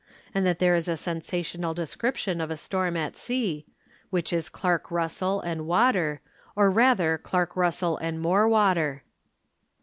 and that there is a sensational description of a storm at sea which is Clarke Russell and water, or rather Clarke Russell and more water."